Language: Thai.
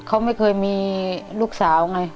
เขาไม่เคยมีลูกสาวไง